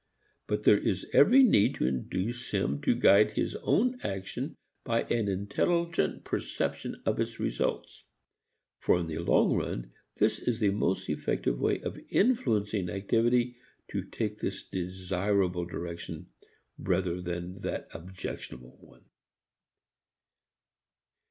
But there is every need to induce him to guide his own action by an intelligent perception of its results. For in the long run this is the most effective way of influencing activity to take this desirable direction rather than that objectionable one.